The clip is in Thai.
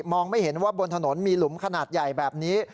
ไม่เห็นว่าบนถนนมีหลุมขนาดใหญ่แบบนี้